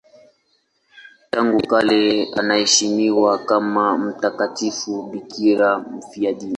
Tangu kale anaheshimiwa kama mtakatifu bikira mfiadini.